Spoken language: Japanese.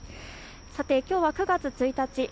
きょうは９月１日。